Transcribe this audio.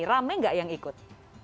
rame nggak yang ikut